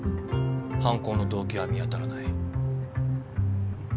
犯行の動機は見当たらない。